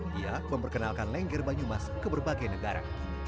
dia memperkenalkan lengger banyumas ke berbagai negara